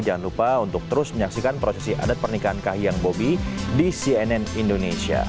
jangan lupa untuk terus menyaksikan prosesi adat pernikahan kahiyang bobi di cnn indonesia